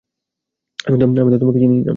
আমি তো তোমাকে চিনিই না।